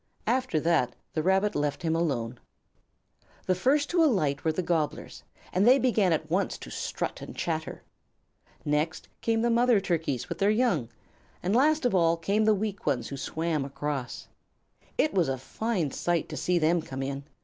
After that the Rabbit left him alone. The first to alight were the Gobblers, and they began at once to strut and chatter. Next came the mother Turkeys and their young, and last of all came the weak ones who swam across. It was a fine sight to see them come in.